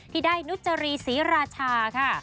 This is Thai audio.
ที่ได้นุจรีศรีราชาค่ะ